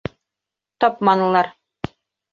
Тапманылар!